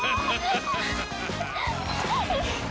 ハハハハハ！